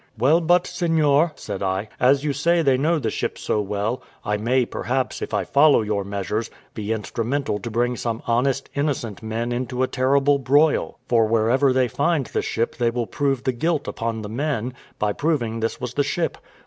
"Well, but, seignior," said I, "as you say they know the ship so well, I may, perhaps, if I follow your measures, be instrumental to bring some honest, innocent men into a terrible broil; for wherever they find the ship they will prove the guilt upon the men, by proving this was the ship."